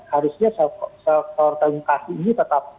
harusnya sektor komunikasi ini tetap